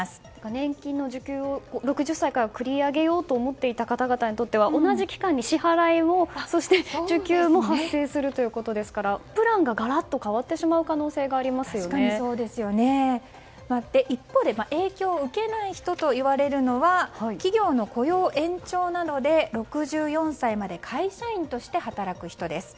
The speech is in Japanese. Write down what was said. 年金の受給を６０歳から繰り上げようと思っていた方々にとっては同じ期間に支払いも、そして受給も発生するということですからプランがガラッと変わってしまう一方で影響を受けない人といわれるのは企業の雇用延長などで６４歳まで会社員として働く人です。